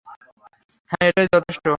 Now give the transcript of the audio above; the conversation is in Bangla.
হ্যাঁ, এটাই যথেষ্ট।